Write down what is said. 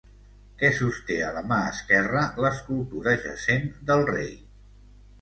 Què sosté a la mà esquerra l'escultura jacent del rei?